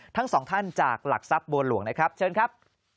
ทั้งสองท่านจากหลักทรัพย์บัวหลวงนะครับเชิญครับ